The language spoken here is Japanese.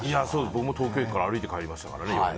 僕も東京駅から歩いて帰りましたね。